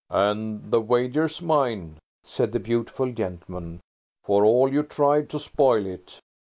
"And the wager's mine," said the beautiful gentleman, "for all you tried to spoil it.